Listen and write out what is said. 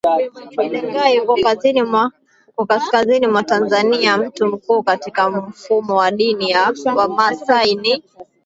Lengai uko kaskazini mwa Tanzania Mtu mkuu katika mfumo wa dini ya Wamasai ni